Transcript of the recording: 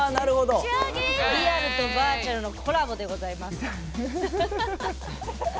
リアルとバーチャルのコラボでございます。